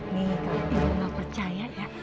nih kamu tidak percaya ya